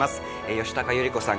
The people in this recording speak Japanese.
吉高由里子さん